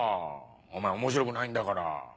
お前面白くないんだから。